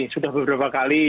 sudah beberapa kali